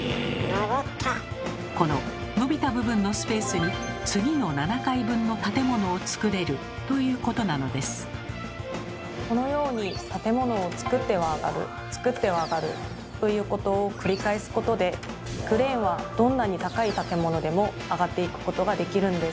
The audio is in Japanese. この伸びた部分のスペースにこのように建物をつくっては上がるつくっては上がるということを繰り返すことでクレーンはどんなに高い建物でも上がっていくことができるんです。